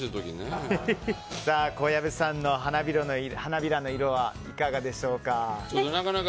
小籔さんの花びらの色はいかがでしょうか？